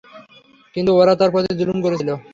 কিন্তু ওরা তার প্রতি জুলুম করেছিল।